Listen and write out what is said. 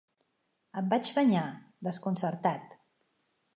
Em vaig banyar, desconcertat.